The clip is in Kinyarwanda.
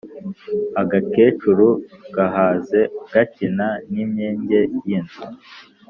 Agakecuru gahaze gakina n’imyenge y’inzu.